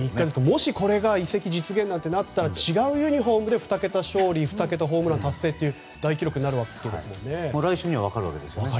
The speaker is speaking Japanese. もしこれが移籍実現となったら違うユニホームで２桁勝利、２桁ホームラン達成という大記録になるかもしれませんね。